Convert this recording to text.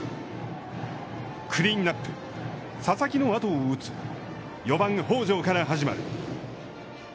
クリーンナップ佐々木の後を打つ４番北條から始まる。